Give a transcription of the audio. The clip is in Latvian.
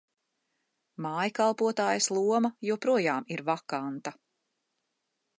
Mājkalpotājas loma joprojām ir vakanta.